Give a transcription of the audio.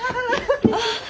あっ！